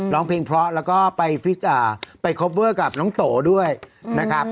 ร้องเพลงเพราะแล้วก็ไปคอปเวอร์กับน้องโตด้วยนะครับ